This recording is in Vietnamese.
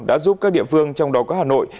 đã giúp các địa phương trong đó có hà nội